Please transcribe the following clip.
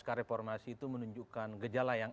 kareformasi itu menunjukkan gejala yang